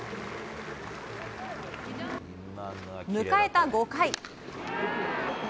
迎えた５回。